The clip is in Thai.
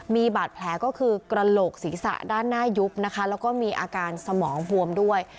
มีบาดแผลก็คือกระโหลกศีรษะด้านหน้ายุบนะคะแล้วก็มีอาการสมองบวมด้วย